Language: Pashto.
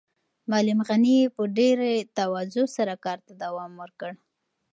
معلم غني په ډېره تواضع سره کار ته دوام ورکړ.